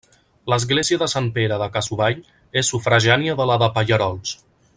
L'església de Sant Pere de Cassovall és sufragània de la de Pallerols.